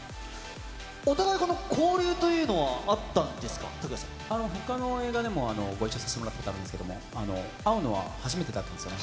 お互い、この交流というのは、ほかの映画でもご一緒させてもらったことあるんですけど、会うのは初めてだったんですよね。